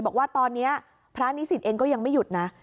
บอกว่าตอนนี้พระนิสิตเองก็ยังไม่หยุดนะ